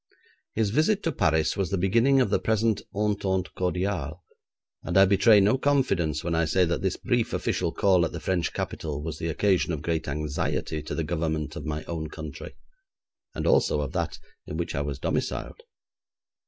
His visit to Paris was the beginning of the present entente cordiale, and I betray no confidence when I say that this brief official call at the French capital was the occasion of great anxiety to the Government of my own country and also of that in which I was domiciled.